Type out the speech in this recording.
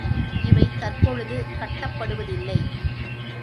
இவை தற்பொழுது கட்டப்படுவதில்லை.